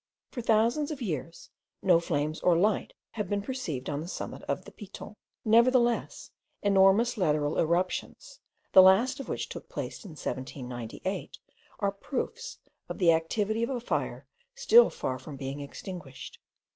For thousands of years, no flames or light have been perceived on the summit of the Piton, nevertheless enormous lateral eruptions, the last of which took place in 1798, are proofs of the activity of a fire still far from being extinguished.